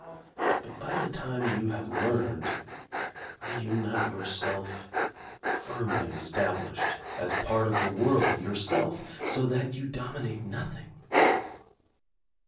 But by the time you have learned, are you not yourself firmly estab lished as a part of the world yourself, so that you dominate nothing.